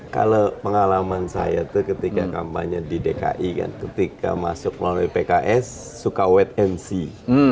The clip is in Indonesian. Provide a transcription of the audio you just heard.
kalau pengalaman saya itu ketika kampanye di dki kan ketika masuk melalui pks suka wait and see